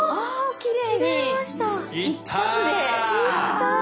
きれい！